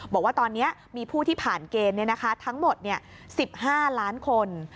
บอกว่าตอนนี้มีผู้ที่ผ่านเกณฑ์ทั้งหมด๑๕ล้านคน